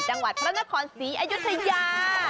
จังหวัดพระนครศรีอยุธยา